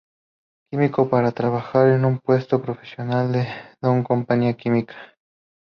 Químico para trabajar en un puesto profesional en Dow Compañía Química.